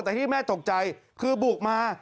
แต่ที่แม่ตกใจคือบุกมา